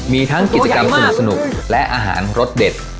มีทั้งกิจกรรมสนุกและอาหารรสเด็ด